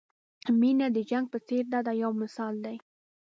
مینه د جنګ په څېر ده دا یو مثال دی.